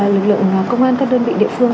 lực lượng công an các đơn vị địa phương